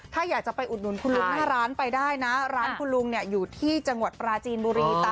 ถ้าอยากจะไปอุดหนุนคุณลุงหน้าร้านไปได้นะร้านคุณลุงเนี่ยอยู่ที่จังหวัดปราจีนบุรี